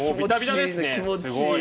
気持ちいい！